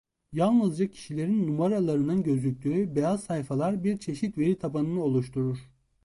Yalnızca kişilerin numaralarının gözüktüğü beyaz sayfalar bir çeşit veri tabanını oluşturur.